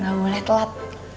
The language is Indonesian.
ga boleh telat